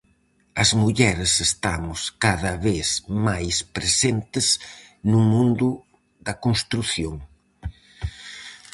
As mulleres estamos cada vez máis presentes no mundo da construción.